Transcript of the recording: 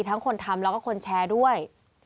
คนทำแล้วก็คนแชร์ด้วย